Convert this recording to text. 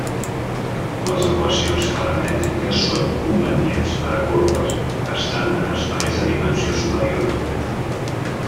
Les equacions paramètriques són convenients per a corbes que estan en espais de dimensió superior.